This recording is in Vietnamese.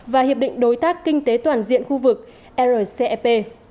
và hiệp định đối tác kinh tế toàn diện khu vực rcep